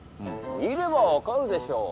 見れば分かるでしょ。